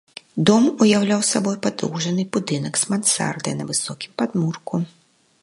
Дом уяўляў сабой падоўжаны будынак з мансардай на высокім падмурку.